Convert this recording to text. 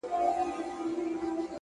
ډوب سم جهاني غوندي له نوم سره!.